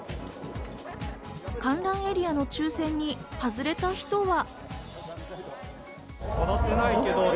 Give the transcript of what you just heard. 観覧エリアの抽選に外れた人は。